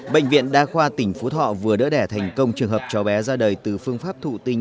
bệnh viện đa khoa tỉnh phú thọ vừa đỡ đẻ thành công trường hợp cháu bé ra đời từ phương pháp thụ tinh